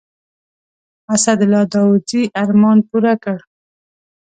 اسدالله داودزي ارمان پوره کړ.